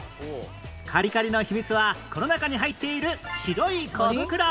カリカリの秘密はこの中に入っている白い小袋